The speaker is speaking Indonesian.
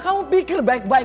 kamu pikir baik baik